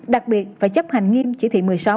đặc biệt phải chấp hành nghiêm chỉ thị một mươi sáu